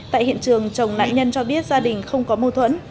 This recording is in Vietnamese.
tại hiện trường chồng nạn nhân cho biết gia đình không có mâu thuẫn